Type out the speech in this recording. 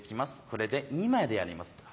これで２枚でやります。